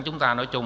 chúng ta nói chung